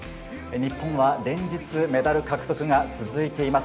日本は連日、メダル獲得が続いています。